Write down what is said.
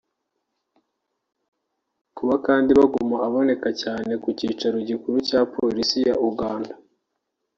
Kuba kandi Baguma aboneka cyane ku kicaro gikuru cya Polisi ya Uganda